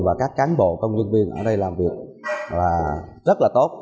và các cán bộ công nhân viên ở đây làm việc là rất là tốt